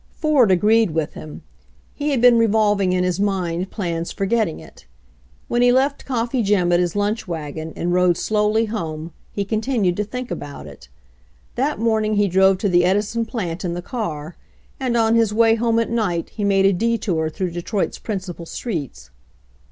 Ford agreed with him. He had been revolving in his mind plans for getting* it; when he left Coffee Jim at his lunch wagon and rode slowly home he con tinued to think about it. That morning he drove to the Edison plant in the car, and on his way home at night he made a detour through Detroit's principal streets.